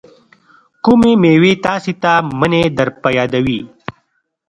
کومې میوې تاسې ته منی در په یادوي؟